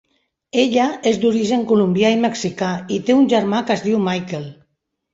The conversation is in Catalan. Ella és d'origen colombià i mexicà, i té un germà que es diu Michael.